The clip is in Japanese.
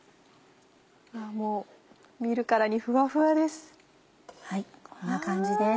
もう見るからにふわふわです。